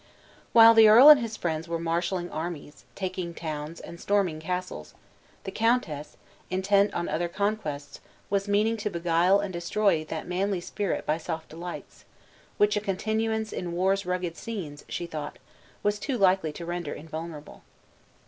While the earl and his friends were marshaling armies, taking towns, and storming castles, the countess, intent on other conquests, was meaning to beguile and destroy that manly spirit by soft delights, which a continuance in war's rugged scenes, she thought, was too likely to render invulnerable.